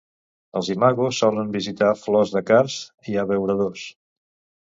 Els imagos solen visitar flors de cards i abeuradors.